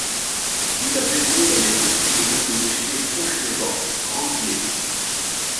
Il avait loué la maison sous le nom de Monsieur Fauchelevent, rentier.